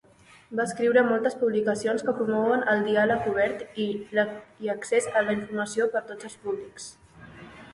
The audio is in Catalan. Va escriure moltes publicacions que promouen el diàleg obert i accés a la informació per tots els públics.